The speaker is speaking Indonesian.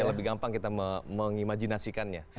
lebih gampang kita mengimajinasikannya